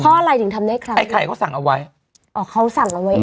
เพราะอะไรถึงทำได้ใครไอ้ไข่เขาสั่งเอาไว้อ๋อเขาสั่งเอาไว้เอง